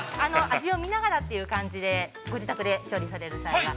◆味を見ながらという感じで、ご自宅で調理をされる際は。